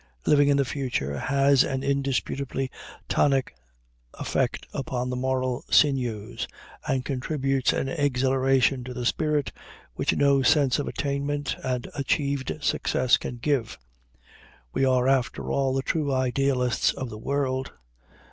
Living in the future has an indisputably tonic effect upon the moral sinews, and contributes an exhilaration to the spirit which no sense of attainment and achieved success can give. We are after all the true idealists of the world.